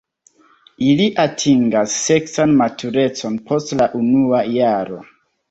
Ili atingas seksan maturecon post la unua jaro.